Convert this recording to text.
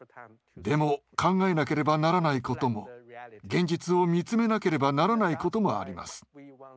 でも考えなければならないことも現実を見つめなければならないこともあります。